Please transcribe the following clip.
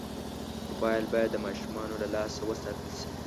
موبایل باید د ماشومانو له لاسه وساتل شي.